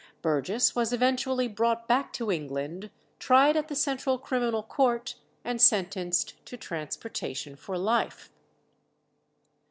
Burgess was eventually brought back to England, tried at the Central Criminal Court, and sentenced to transportation for life.